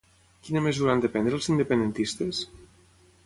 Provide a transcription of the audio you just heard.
Quina mesura han de prendre els independentistes?